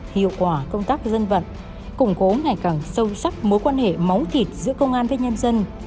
hiệu quả công tác dân vận củng cố ngày càng sâu sắc mối quan hệ máu thịt giữa công an với nhân dân